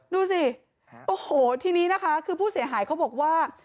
ดูสิโอ้โหทีนี้นะคะคือผู้เสียหายเขาบอกว่า